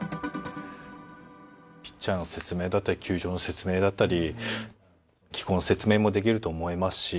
ピッチャーの説明だったり球場の説明だったり気候の説明もできると思いますし。